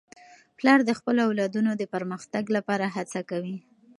پلار د خپلو اولادونو د پرمختګ لپاره هڅه کوي.